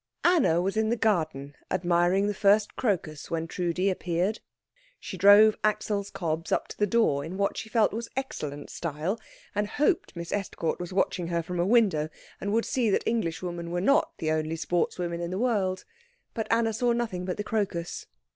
Anna was in the garden, admiring the first crocus, when Trudi appeared. She drove Axel's cobs up to the door in what she felt was excellent style, and hoped Miss Estcourt was watching her from a window and would see that Englishwomen were not the only sportswomen in the world. But Anna saw nothing but the crocus.